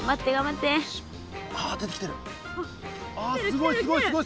あすごいすごいすごい！